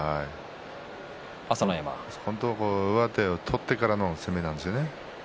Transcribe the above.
本当は上手を取ってからの攻めなんですね。